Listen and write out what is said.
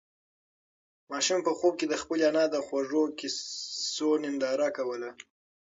ماشوم په خوب کې د خپلې انا د خوږو قېصو ننداره کوله.